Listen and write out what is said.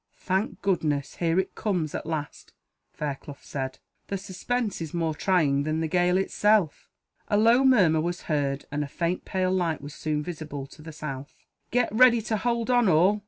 "Thank goodness, here it comes, at last," Fairclough said; "the suspense is more trying than the gale itself." A low murmur was heard, and a faint pale light was soon visible to the south. "Get ready to hold on, all!"